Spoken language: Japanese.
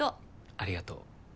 ありがと。